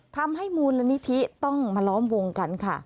ทำให้มูลนิธิต้องมาล้อมวงกันค่ะ